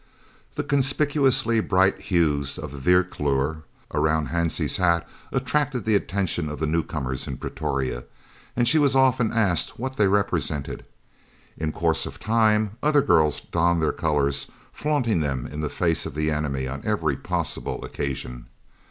The conspicuously bright hues of the "Vierkleur" round Hansie's hat attracted the attention of the new comers in Pretoria, and she was often asked what they represented. In course of time other girls donned their colours, flaunting them in the face of the enemy on every possible occasion.